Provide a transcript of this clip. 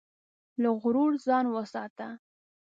له غرور ځان وساته.